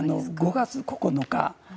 ５月９日